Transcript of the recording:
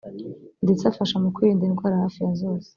ndetse afasha mu kwirinda indwara hafi ya zose